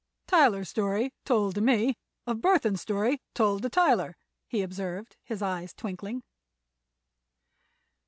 "Tyler's story—told to me—of Burthon's story—told to Tyler," he observed, his eyes twinkling.